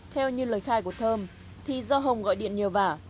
theo như lời khai của thơm thì do hồng gọi điện nhiều vả